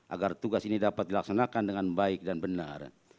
agar tugas ini dapat dilaksanakan dengan baik dan benar